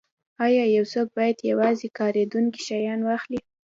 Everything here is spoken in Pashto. ایا یو څوک باید یوازې کاریدونکي شیان واخلي